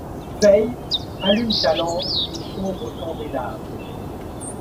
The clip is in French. Veille ; allume ta lampe au sombre candélabre